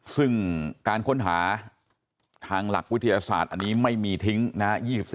ซึ่งการค้นหาทางหลักวิทยาศาสตร์อันนี้ไม่มีทิ้งนะฮะ